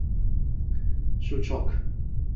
Shu chok —